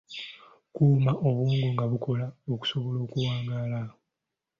Kuuma obwongo nga bukola okusobola okuwangaala.